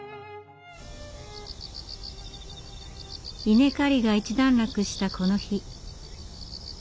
稲刈りが一段落したこの日。